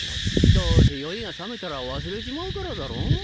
どうせ酔いが覚めたら忘れちまうからだろ？